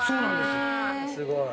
すごい。